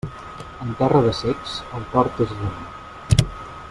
En terra de cecs, el tort és rei.